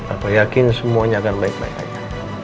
aku yakin semuanya akan baik baik aja